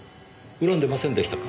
恨んでませんでしたか？